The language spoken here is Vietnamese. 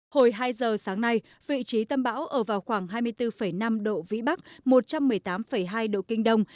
hồi hai giờ sáng nay vị trí tâm bão ở vào khoảng hai mươi bốn năm độ vĩ bắc một trăm một mươi tám hai độ kinh đông